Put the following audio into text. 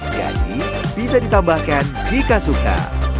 jadi bisa ditambahkan jika suka